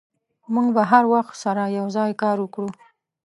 موږ به هر وخت سره یوځای کار وکړو.